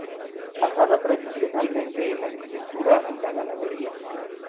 Basada tradicionalmente en la agricultura y la ganadería.